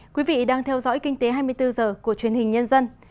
quý vị đang theo dõi kinh tế hai mươi bốn h của truyền hình nhân dân